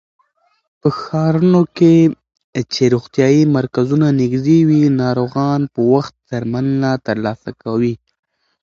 په ښارونو کې چې روغتيايي مرکزونه نږدې وي، ناروغان په وخت درملنه ترلاسه کوي.